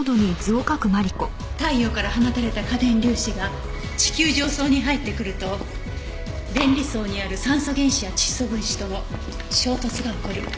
太陽から放たれた荷電粒子が地球上層に入ってくると電離層にある酸素原子や窒素分子との衝突が起こる。